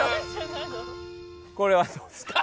これはどうですか？